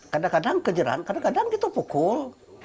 kadang kadang kejerang kadang kadang kita pukul